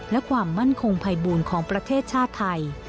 และความมั่นคงภัยบูลของประเทศชาติไทย